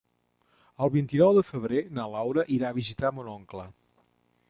El vint-i-nou de febrer na Laura irà a visitar mon oncle.